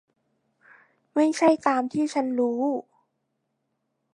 ไม่ใช่ตามที่ฉันรู้